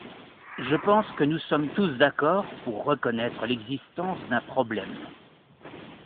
Je pense que nous sommes tous d’accord pour reconnaître l’existence d’un problème.